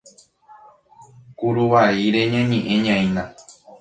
Kuruvaíre ñañe'ẽñaína.